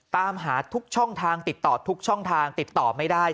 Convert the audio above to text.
ตามหาทุกช่องทางติดต่อทุกช่องทางติดต่อไม่ได้